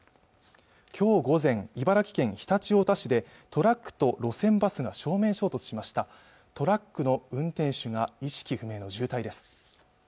きょう午前茨城県常陸太田市でトラックと路線バスが正面衝突しましたトラックの運転手が意識不明の重体です